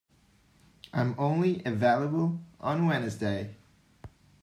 I am only available on Wednesday.